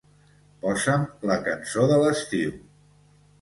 Posa'm la cançó de l'estiu